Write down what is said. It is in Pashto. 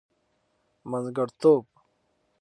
منځګړتوب.